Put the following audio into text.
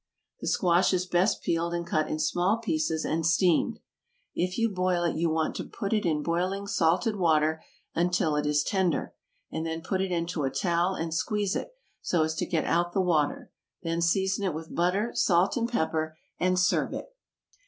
The squash is best peeled and cut in small pieces and steamed. If you boil it you want to put it in boiling salted water until it is tender, and then put it into a towel and squeeze it, so as to get out the water; then season it with butter, salt and pepper, and serve it.